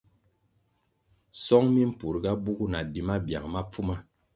Song mi mpurga bugu na di mabiang ma pfuma.